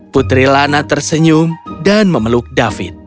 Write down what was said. putri lana tersenyum dan memeluk david